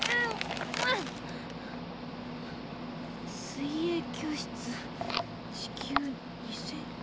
「水泳教室時給２０００円」。